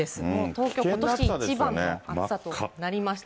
東京、ことし一番の暑さとなりました。